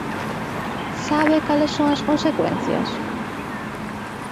¿Sabe cales son as consecuencias?